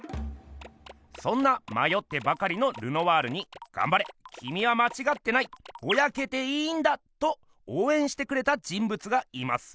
そんなまよってばかりのルノワールに「がんばれきみはまちがってないボヤけていいんだ」とおうえんしてくれた人物がいます。